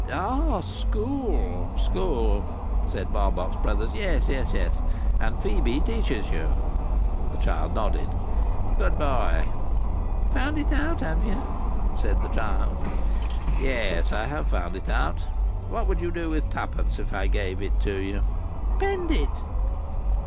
"Ah! School, school," said Barbox Brothers. "Yes, yes, yes. And Phœbe teaches you?" The child nodded. "Good boy." "Tound it out, have you?" said the child. "Yes, I have found it out. What would you do with twopence, if I gave it you?" "Pend it."